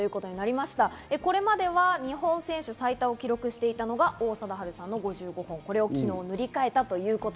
これまでは日本選手最多を記録していたのが王貞治さんの５５本、これを昨日塗り替えました。